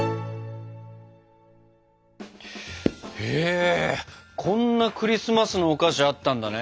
へえこんなクリスマスのお菓子あったんだね。